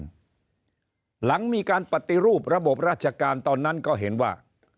ศึกษาที่การหลังมีการปฏิรูประบบราชการตอนนั้นก็เห็นว่า